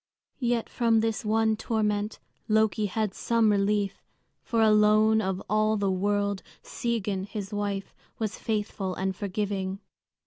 Yet from this one torment Loki had some relief; for alone of all the world Sigyn, his wife, was faithful and forgiving.